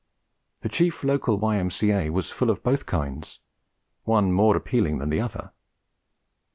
The chief local Y.M.C.A. was full of both kinds, one more appealing than the other.